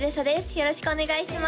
よろしくお願いします